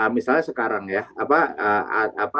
misalnya sekarang ya